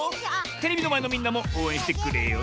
テレビのまえのみんなもおうえんしてくれよ